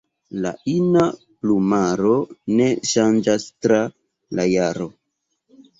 La ina plumaro ne ŝanĝas tra la jaro.